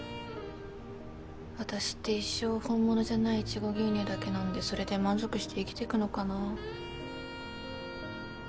私って一生本物じゃないイチゴ牛乳だけ飲んでそれで満足して生きてくのかな。